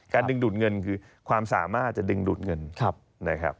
ดึงดูดเงินคือความสามารถจะดึงดูดเงินนะครับ